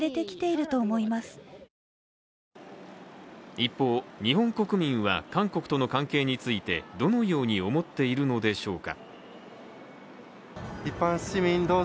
一方、日本国民は韓国との関係についてどのように思っているのでしょうか。